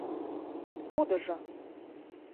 Кудыжо?